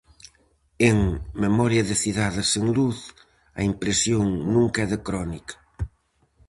En "Memoria de cidades sen luz" a impresión nunca é de crónica.